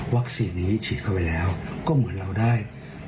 นี้ฉีดเข้าไปแล้วก็เหมือนเราได้